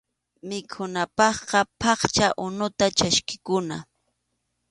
Mikhunapaqqa phaqcha unuta chaskikuna.